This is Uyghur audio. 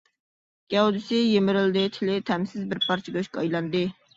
گەۋدىسى يىمىرىلدى، تىلى تەمسىز بىر پارچە گۆشكە ئايلاندى.